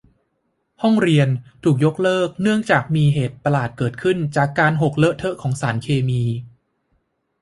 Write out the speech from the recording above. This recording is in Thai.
ห้องเรียนถูกยกเลิกเนื่องจากมีเหตุประหลาดเกิดขึ้นจากการหกเลอะเทอะของสารเคมี